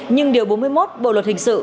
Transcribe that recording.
nhưng điều bốn mươi một bộ luật hình sự